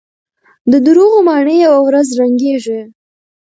د دروغو ماڼۍ يوه ورځ ړنګېږي.